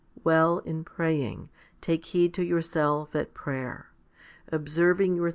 Well, in praying, take heed to yourself at prayer, observing your thoughts 1 John x.